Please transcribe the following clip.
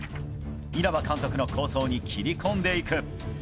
稲葉監督の構想に切り込んでいく。